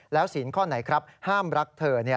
แล้วศีลข้อไหนครับห้ามรักเธอ